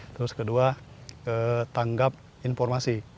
terus kedua tanggap informasi